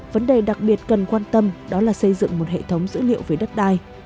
vấn đề đặc biệt cần quan tâm đó là xây dựng một hệ thống dữ liệu về đất đai